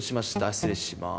失礼します。